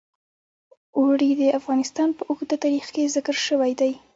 اوړي د افغانستان په اوږده تاریخ کې ذکر شوی دی.